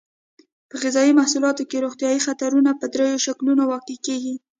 په غذایي محصولاتو کې روغتیایي خطرونه په دریو شکلونو واقع کیږي.